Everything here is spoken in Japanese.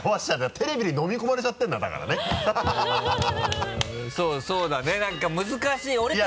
テレビに飲み込まれちゃってんなだからね